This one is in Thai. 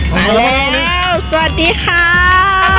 มาแล้วสวัสดีค่ะ